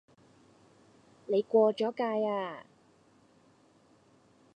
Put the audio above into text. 你過左界呀